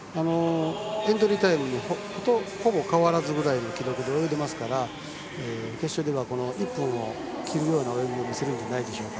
エントリータイムとほぼ変わらないぐらいの記録なので決勝では１分を切るような泳ぎを見せるんじゃないでしょうか。